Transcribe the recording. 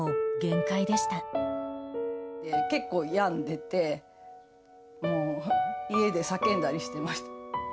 結構病んでて、家で叫んだりしてました。